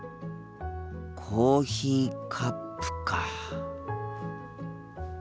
コーヒーカップか。